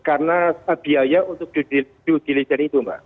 karena biaya untuk due diligence itu mbak